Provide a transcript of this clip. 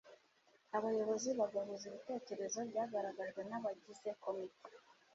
abayobozi bagahuza ibitekerezo byagaragajwe n'abagize komite